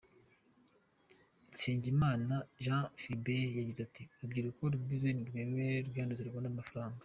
Nsengimana Jean Philibert yagize ati " Urubyiruko rwize nirwemere rwiyanduze rubone amafaranga.